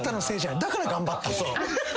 だから頑張った。